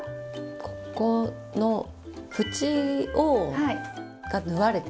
ここの縁が縫われてる。